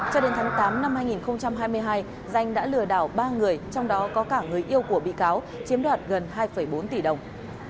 cho đến tháng tám năm hai nghìn hai mươi hai danh đã lừa đảo ba người trong đó có cả người yêu của bị cáo chiếm đoạt gần hai bốn tỷ đồng